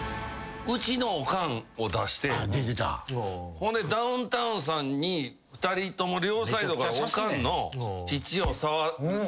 ほんでダウンタウンさんに２人とも両サイドからおかんの乳を触って。